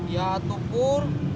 ya tuh pur